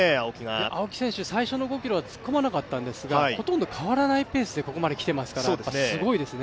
青木選手、最初の５ｋｍは突っ込まなかったんですが、ほとんど変わらないペースでここまで来ていますからすごいですね。